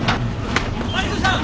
マリコさん！